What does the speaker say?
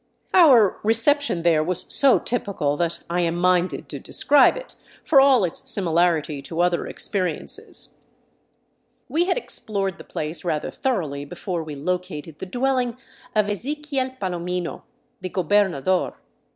Our reception there was so typical that I am minded to describe it, for all its similarity to other experiences. We had explored the place rather thoroughly before we located the dwelling of Ezequiel Palomino, the gobernador.